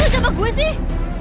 lu ngejambak gue sih